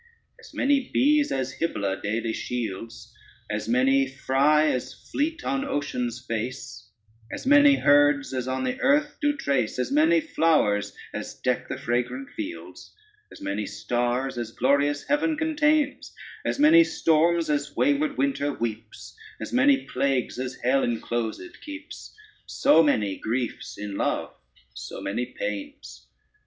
As many bees as Hybla daily shields, As many fry as fleet on ocean's face, As many herds as on the earth do trace, As many flowers as deck the fragrant fields, As many stars as glorious heaven contains, As many storms as wayward winter weeps, As many plagues as hell enclosèd keeps, So many griefs in love, so many pains.